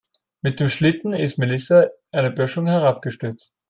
Mit ihrem Schlitten ist Melissa eine Böschung herabgestürzt.